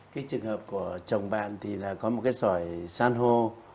cái trường hợp của chồng bạn thì là có một cái sỏi san hô